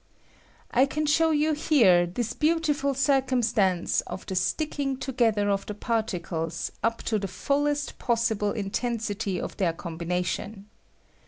I can show you here this beautiful circumstance of the sticking together of the particles up to the fullest possible intensity of their combina tion.